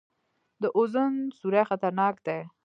د اوزون سورۍ خطرناک دی